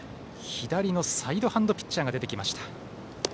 左のサイドハンドピッチャーが出てきました。